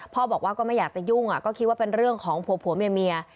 บอกว่าก็ไม่อยากจะยุ่งก็คิดว่าเป็นเรื่องของผัวเมีย